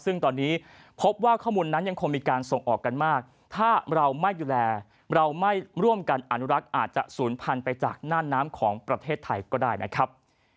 ซึ่งตอนนี้พบว่าข้อมูลนั้นยังคงมีการส่งออกกันมากถ้าเราไม่ดูแลเราไม่ร่วมกันอนุรักษ์อาจจะศูนย์พันธุ์ไปจากหน้าน้ำของประเทศไทยก็ได้นะครับ